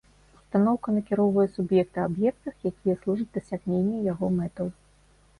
Ўстаноўка накіроўвае суб'екта аб'ектах, якія служаць дасягненню яго мэтаў.